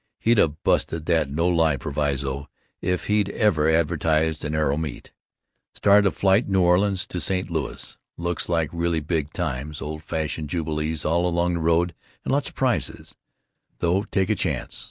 He'd have busted that no lie proviso if he'd ever advertised an aero meet. Start of flight New Orleans to St. Louis. Looks like really big times, old fashioned jubilee all along the road and lots of prizes, though take a chance.